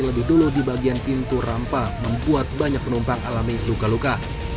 lebih dulu di bagian pintu rampa membuat banyak penumpang alami luka luka